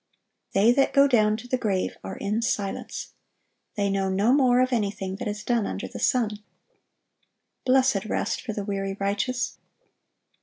They that go down to the grave are in silence. They know no more of anything that is done under the sun.(981) Blessed rest for the weary righteous!